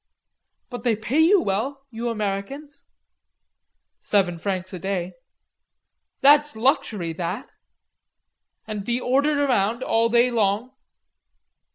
"But they pay you well, you Americans." "Seven francs a day." "That's luxury, that." "And be ordered around all day long!"